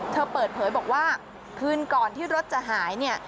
เธอเปิดเผยบอกว่าคืนก่อนที่รถจะหายเนี่ย